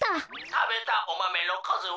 「たべたおマメのかずは？」。